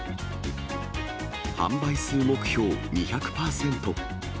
販売数目標２００％。